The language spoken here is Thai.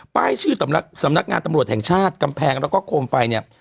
ป้ายชื่อสำนักงานตำรวจแห่งชาติกำแพงแล้วก็โคมไฟเนี่ย